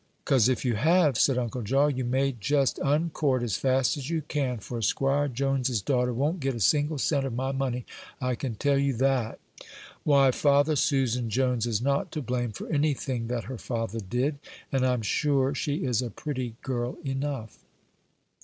"'Cause if you have," said Uncle Jaw, "you may jest un court as fast as you can; for 'Squire Jones's daughter won't get a single cent of my money, I can tell you that." "Why, father, Susan Jones is not to blame for any thing that her father did; and I'm sure she is a pretty girl enough."